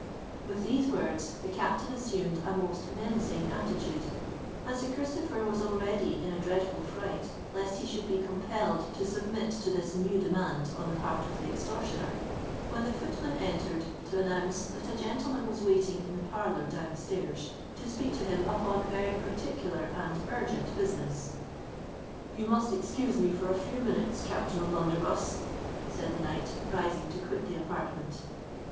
With these words, the captain assumed a most menacing attitude; and Sir Christopher was already in a dreadful fright lest he should be compelled to submit to this new demand on the part of the extortioner, when the footman entered to announce that a gentleman was waiting in the parlour down stairs to speak to him upon very particular and urgent business. "You must excuse me for a few minutes, Captain O'Blunderbuss," said the knight, rising to quit the apartment.